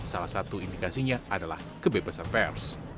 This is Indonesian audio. salah satu indikasinya adalah kebebasan pers